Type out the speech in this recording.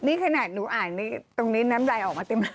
นี่ขนาดหนูอ่านตรงนี้น้ำลายออกมาเต็มเลย